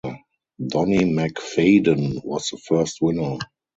Donnie Macfadyen was the first winner.